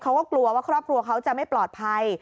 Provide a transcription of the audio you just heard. เขาก็กลัวว่าครอบครัวเขาจะไม่ปลอดภัย